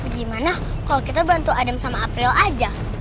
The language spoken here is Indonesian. gimana kalau kita bantu adem sama april aja